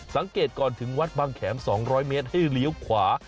สังเกตก่อนถึงวัดบางแขม๒๐๐เมตรให้เลี้ยวขวา